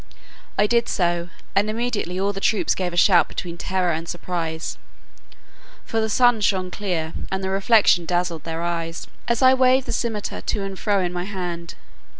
I did so, and immediately all the troops gave a shout between terror and surprise; for the sun shone clear, and the reflection dazzled their eyes, as I waved the scimitar to and fro in my hand.